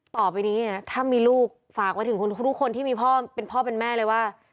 ต่อไปนี้ถ้ามีลูกฝากไว้ถึงทุกคนที่มีพ่อเป็นพ่อเป็นแม่เลยว่า